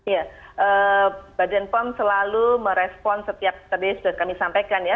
ya bapak dan bapak selalu merespon setiap tadi sudah kami sampaikan ya